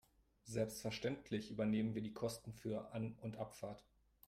Selbstverständlich übernehmen wir die Kosten für An- und Abfahrt.